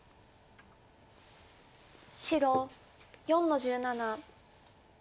白４の十七。